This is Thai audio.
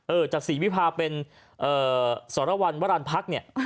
จากศรีวิพาเป็นสรวรรณวรรณพักเนี่ย